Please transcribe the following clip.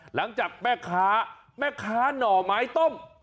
หลังจากแม่ค้าแม่ค้าหน่อไม้ต้ม